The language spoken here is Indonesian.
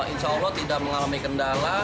insya allah tidak mengalami kendala